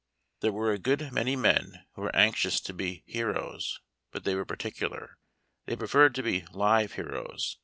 There were a good many men who were anxious to be heroes, but they were particular. They preferred to be Uve heroes.